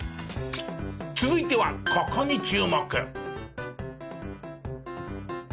続いてはここに注目。